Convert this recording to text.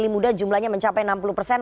sudah jumlahnya mencapai enam puluh persen